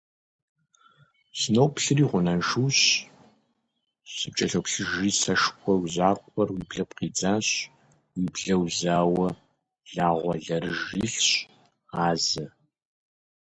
Сыноплъыри укъунаншущ, сыпкӀэлъоплъыжри сэшхуэжь закъуэр уи блыпкъ идзащ, уи блэр узауэ лагъуэлэрыж илъщ, гъазэ.